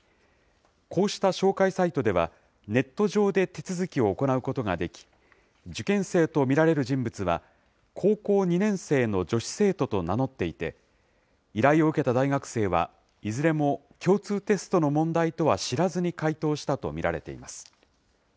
こうした紹介サイトでは、ネット上で手続きを行うことができ、受験生と見られる人物は、高校２年生の女子生徒と名乗っていて、依頼を受けた大学生は、いずれも共通テストの問題とは知らずに解答したと見られています。